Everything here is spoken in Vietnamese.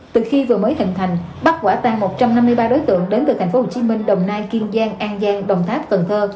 từ khi vừa mới hình thành bắt quả tan một trăm năm mươi ba đối tượng đến từ tp hcm đồng nai kiên giang an giang đồng tháp cần thơ